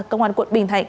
công an quận bình thạnh